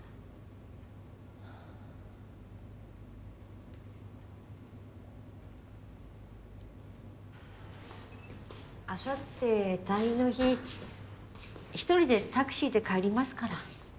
あさって退院の日一人でタクシーで帰りますから。